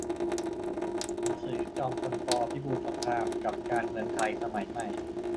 หนังสือ จอมพล ป. พิบูลสงคราม กับการเมืองไทยสมัยใหม่